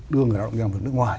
đưa người lao động ra nước ngoài